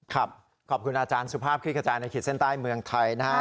ครับขอบคุณอาจารย์สุภาพคลิกกระจายในขีดเส้นใต้เมืองไทยนะฮะ